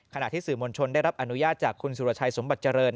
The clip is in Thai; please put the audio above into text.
ขณะที่สื่อมวลชนได้รับอนุญาตจากคุณสุรชัยสมบัติเจริญ